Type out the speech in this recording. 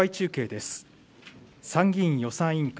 参議院予算委員会。